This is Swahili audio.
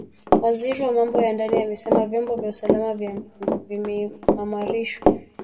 Waziri wa Mambo ya Ndani amesema vyombo vya usalama vimeimarishwa